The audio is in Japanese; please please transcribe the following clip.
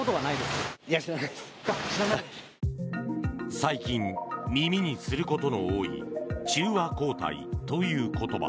最近、耳にすることの多い中和抗体という言葉。